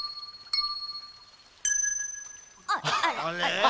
あれ？